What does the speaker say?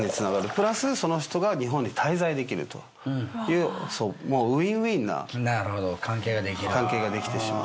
プラスその人が日本に滞在できるというウインウインな関係ができてしまう。